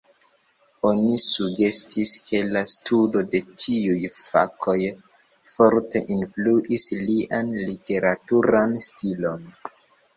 Oni sugestis ke la studo de tiuj fakoj forte influis lian literaturan stilon.